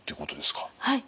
はい。